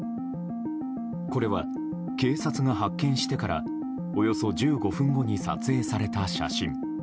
これは警察が発見してからおよそ１５分後に撮影された写真。